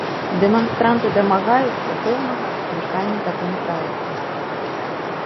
Дэманстранты дамагаюцца поўнага адклікання законапраекту.